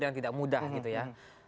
yang tidak mudah gitu ya